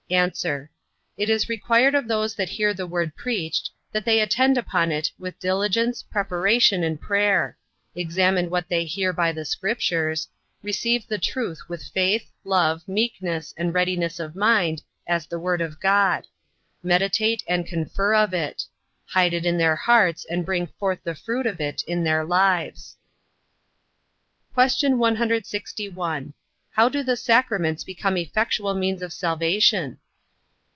A. It is required of those that hear the word preached, that they attend upon it with diligence, preparation, and prayer; examine what they hear by the Scriptures; receive the truth with faith, love, meekness, and readiness of mind, as the Word of God; meditate, and confer of it; hide it in their hearts, and bring forth the fruit of it in their lives. Q. 161. How do the sacraments become effectual means of salvation?